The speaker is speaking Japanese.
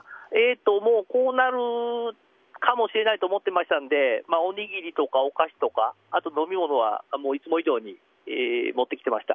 こうなるかもしれないと思っていましたのでおにぎりとかお菓子とか飲み物はいつも以上に持ってきてました。